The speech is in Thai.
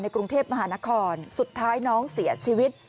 กรุงเทพมหานครสุดท้ายน้องเสียชีวิต